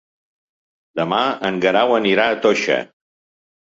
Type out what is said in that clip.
Demà en Guerau anirà a Toixa.